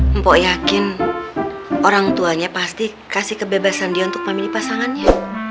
mpok yakin orang tuanya pasti kasih kebebasan dia untuk memilih pasangannya